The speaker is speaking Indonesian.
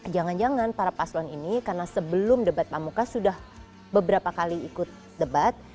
jangan jangan para paslon ini karena sebelum debat pamuka sudah beberapa kali ikut debat